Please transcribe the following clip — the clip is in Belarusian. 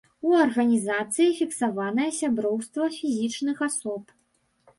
У арганізацыі фіксаванае сяброўства фізічных асоб.